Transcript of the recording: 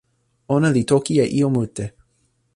ona li toki e ijo mute.